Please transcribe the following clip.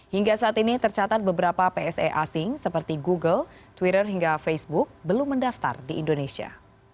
hingga saat ini tercatat beberapa pse asing seperti google twitter hingga facebook belum mendaftar di indonesia